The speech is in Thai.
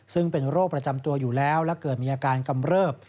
ซึ่งเป็นโรคประจำตัวอยู่แล้วและเกิดมีอาการกำเริบ